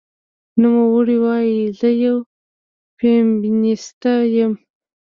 نوموړې وايي، "زه یوه فېمینیسټه یم